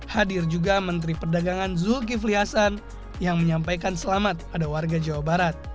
hadir juga menteri perdagangan zulkifli hasan yang menyampaikan selamat pada warga jawa barat